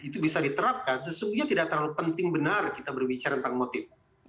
itu bisa diterapkan sesungguhnya tidak terlalu penting benar kita berbicara tentang motif